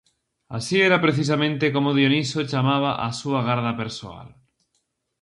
Así era precisamente como Dioniso chamaba á súa garda persoal.